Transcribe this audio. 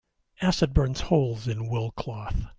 Acid burns holes in wool cloth.